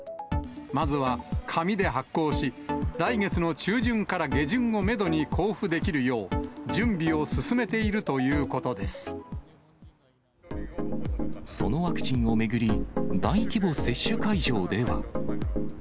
まずは紙で発行し、来月の中旬から下旬をメドに交付できるよう、準備を進めているとそのワクチンを巡り、大規模接種会場では。